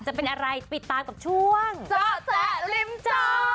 จะเป็นอะไรติดตามกับช่วงเจาะแจ๊ริมจอ